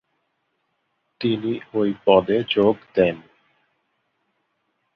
তিনি ঐ পদে যোগ দেন।